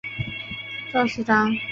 赵锡章。